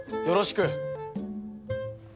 よろしく。